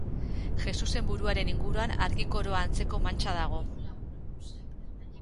Jesusen buruaren inguruan argi koroa antzeko mantxa dago.